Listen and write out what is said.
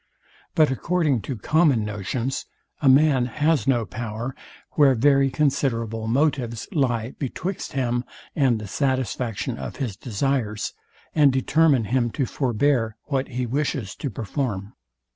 But according to common notions a man has no power, where very considerable motives lie betwixt him and the satisfaction of his desires, and determine him to forbear what he wishes to perform.